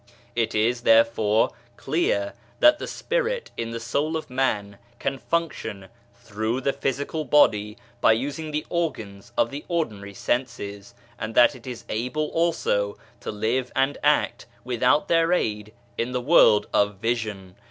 It is, therefore, clear that the spirit in the soul of man can function through the physical body by using the organs of the ordinary senses, and that it is able also to live and act without their aid in the world of vision.